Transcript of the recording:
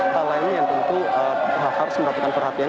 hal lainnya yang tentu harus merapikan perhatian